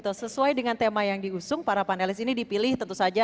bagaimana teman teman anda mengtuliskan tema yang diusung para panelis ini dipilih tentu saja